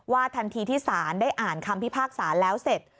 ทันทีที่ศาลได้อ่านคำพิพากษาแล้วเสร็จ